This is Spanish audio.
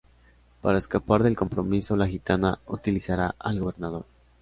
Para escapar del compromiso, la gitana utilizará al gobernador.